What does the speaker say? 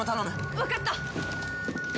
わかった！